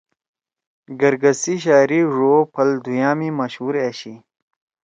گرگس سی شاعری ڙو او پھل دُھوئیا می مشہور أشی۔